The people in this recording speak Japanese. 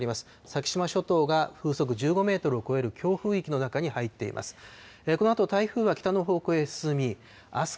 先島諸島が風速１５メートルを超える強風域の中に入っています。